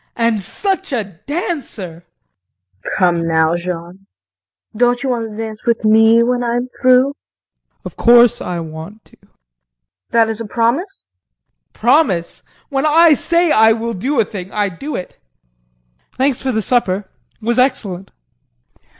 And such a dancer! KRISTIN. Come now, Jean, don't you want to dance with me when I'm through? JEAN. Of course I want to. KRISTIN. That is a promise? JEAN. Promise! When I say I will do a thing I do it! Thanks for the supper it was excellent.